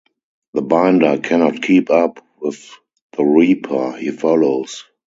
The binder cannot keep up with the reaper he follows.